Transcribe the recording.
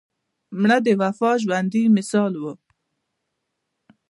مړه د وفا ژوندي مثال وه